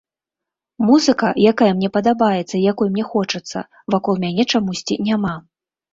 Музыка, якая мне падабаецца і якой мне хочацца, вакол мяне чамусьці няма.